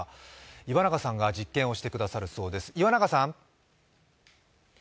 岩永さんが実験をしてくださるそうです。